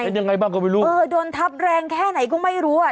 เป็นยังไงบ้างก็ไม่รู้เออโดนทับแรงแค่ไหนก็ไม่รู้อ่ะ